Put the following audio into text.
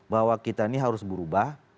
bahwa kita ini harus berubah